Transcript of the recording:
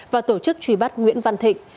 và tổ chức trùy bắt nguyễn văn thịnh